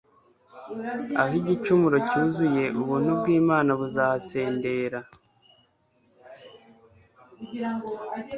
Aho igicumuro cyuzuye, ubuntu bw'Imana buzahasendera.